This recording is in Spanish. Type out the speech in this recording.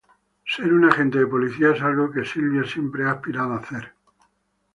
Ser un agente de policía es algo que Sylvia siempre ha aspirado a hacerlo.